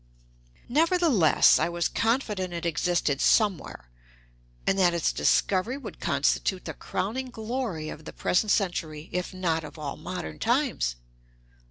Nevertheless, I was confident it existed somewhere, and that its discovery would constitute the crowning glory of the present century, if not of all modern times.